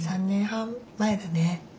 ３年半前だね。